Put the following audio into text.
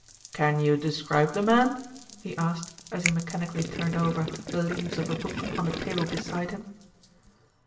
"Can you describe the man?" he asked as he mechanically turned over the leaves of a book on a table beside him.